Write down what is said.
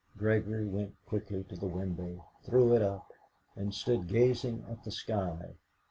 Gregory went quickly to the window, threw it up, and stood gazing at the sky.